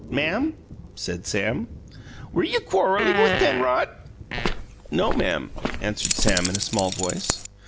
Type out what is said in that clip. "Ma'am?" said Sam. "Were you quarrelling with Penrod?" "No, ma'am," answered Sam in a small voice.